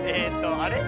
あれ？